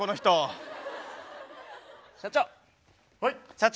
社長。